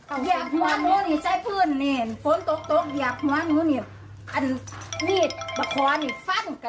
โอ้โหแม้คะถ้าพ่อเลี้ยงคนนี้ที